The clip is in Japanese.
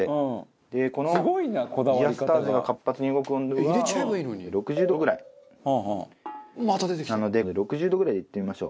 でこのジアスターゼが活発に動く温度が６０度ぐらいなので６０度ぐらいでいってみましょう。